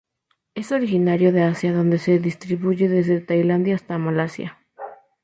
Es originario de Asia donde se distribuye desde Tailandia hasta Malasia.